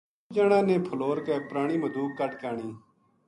اُس جنا نے پھلور کے پرانی مدوک کڈھ کے آنی